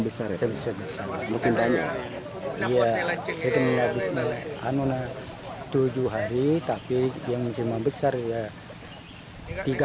besar besar besar mungkin tanya ya kita menambahkan anonah tujuh hari tapi yang semua besar ya tiga